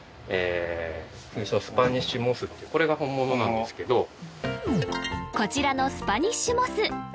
これが本物なんですけどこちらのスパニッシュモス